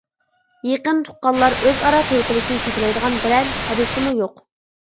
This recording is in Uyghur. يېقىن تۇغقانلار ئۆزئارا توي قىلىشنى چەكلەيدىغان بىرەر ھەدىسمۇ يوق.